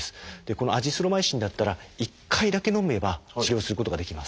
このアジスロマイシンだったら１回だけのめば治療することができます。